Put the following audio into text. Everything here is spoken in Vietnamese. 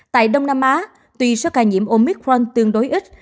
tại đông nam á tuy số ca nhiễm omicron tương đối ít